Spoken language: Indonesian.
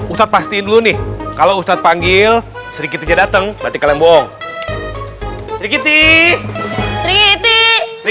ustadz pastiin dulu nih kalau ustadz panggil sedikit dateng berarti kalian bohong bikin di